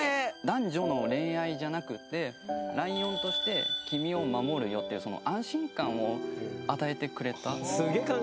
男女の恋愛じゃなくってライオンとして君を守るよっていう安心感を与えてくれた。